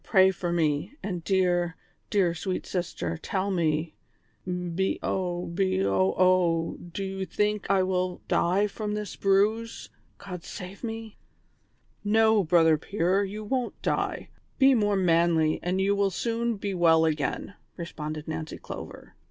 pray for me ; and dear, dear, sweet sister, tell me, b — o !— b — o — o ! do you think I will die from this bruise^God save me V " 166 THE SOCIAL WAR OF 1900; OR, "H"©, Brother Pier, you won't die ; be more manly, and you will soon be well again," responded Nancy Clover.